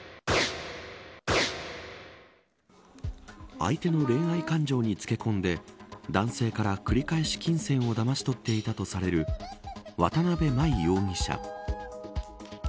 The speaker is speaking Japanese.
相手の恋愛感情につけ込んで男性から繰り返し金銭をだまし取っていたとされる渡辺真衣容疑者。